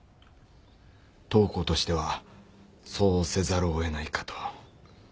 当行としてはそうせざるを得ないかと。